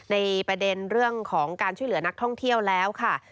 ในประเด็นเรื่องของการช่วยเหลือนักท่องเที่ยวแล้วค่ะ